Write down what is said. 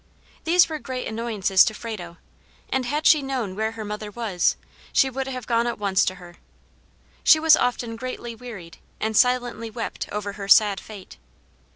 These were great annoyances to Frado, and had she known where her mother was, she would have gone at once to her. She was often greatly wearied, and silently wept over her sad fate.